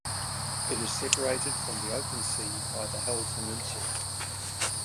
It is separated from the open sea by the Hel Peninsula.